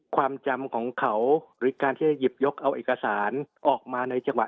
ความจำของเขาหรือการที่จะหยิบยกเอาเอกสารออกมาในจังหวะ